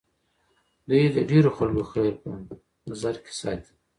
دوی د ډېرو خلکو خیر په نظر کې ساتي.